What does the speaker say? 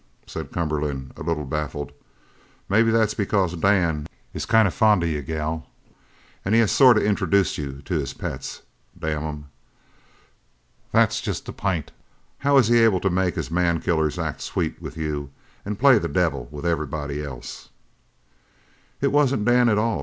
said Cumberland, a little baffled; "maybe that's because Dan is kind of fond of you, gal, an' he has sort of introduced you to his pets, damn 'em! That's just the pint! How is he able to make his man killers act sweet with you an' play the devil with everybody else." "It wasn't Dan at all!"